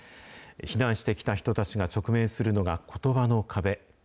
避難してきた人たちが直面するのが、ことばの壁。